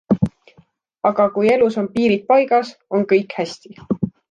Aga kui elus on piirid paigas, on kõik hästi.